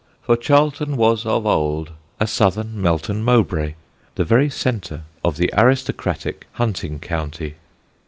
For Charlton was of old a southern Melton Mowbray, the very centre of the aristocratic hunting county.